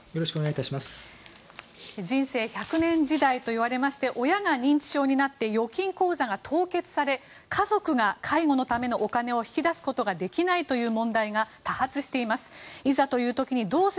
人生１００年時代といわれまして親が認知症になって預金口座が凍結され家族が介護のためのお金を引き出すことができないという問題が多発しています。